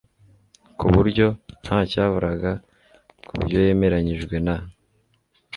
kuburyo ntacyaburaga kubyo yemeranyijwe na